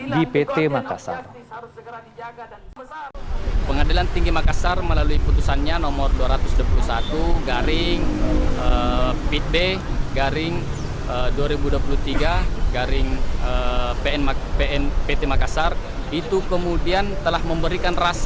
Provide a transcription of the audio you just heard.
di pemirsa hmi